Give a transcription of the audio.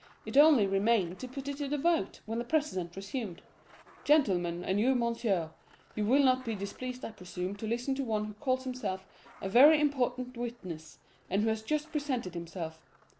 It only remained to put it to the vote, when the president resumed: 'Gentlemen and you, monsieur,—you will not be displeased, I presume, to listen to one who calls himself a very important witness, and who has just presented himself.